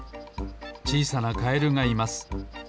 ちいさなカエルがいます。